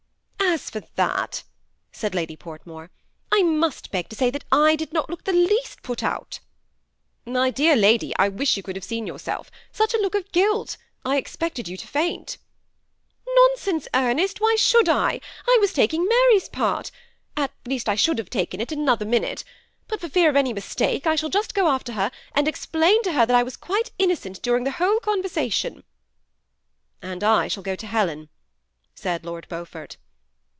" As for that," said Lady Portmore, " I must beg to say that I did not look the least put out." " My dear lady, I wish you could have seen yourself; such a look of guilt I I expected you to faint." 176 THE SEia ATTACHED OOUPLB. '^ Nonsense, £m^t, why shoald I? I was taking Maiy's part; at least, I should have taken it, in an other minate ; bat for fear of any mistake, I shall just go after her, and explain to her that I was quite inno cent daring the whole conversation." " And I shaU go to Helen," said Lord Beaufort.